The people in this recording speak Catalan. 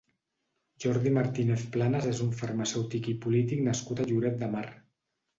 Jordi Martínez Planas és un farmacèutic i polític nascut a Lloret de Mar.